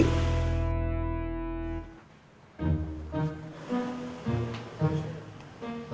nah kiltur and siapil webrisnya